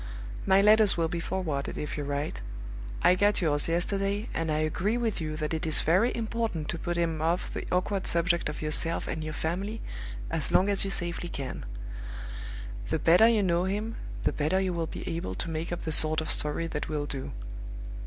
My letters will be forwarded if you write. I got yours yesterday, and I agree with you that it is very important to put him off the awkward subject of yourself and your family as long as you safely can. The better you know him, the better you will be able to make up the sort of story that will do.